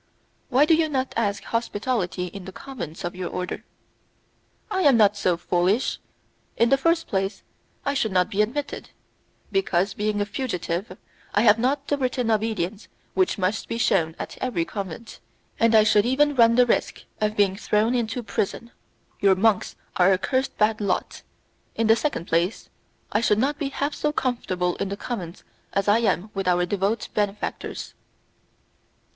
"Why do you not ask hospitality in the convents of your order?" "I am not so foolish. In the first place, I should not be admitted, because, being a fugitive, I have not the written obedience which must be shown at every convent, and I should even run the risk of being thrown into prison; your monks are a cursed bad lot. In the second place, I should not be half so comfortable in the convents as I am with our devout benefactors."